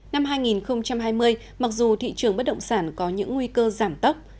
năm hai nghìn hai mươi mặc dù thị trường bất động sản có những nguy cơ giảm tốc